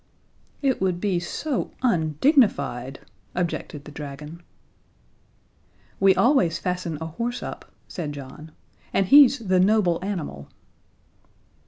"It would be so undignified," objected the dragon. "We always fasten a horse up," said John, "and he's the 'noble animal.'"